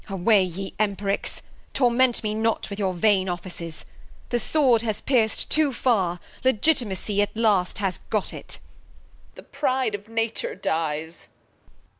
Bast. Away ye Empericks, Torment me not with your vain Offices ; The Sword has pierc'd too far ; Legitimacy At last has got it. Reg. The Pride of Nature dies.